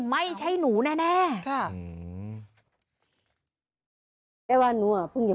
ไม่ใช่หนูแน่ค่ะ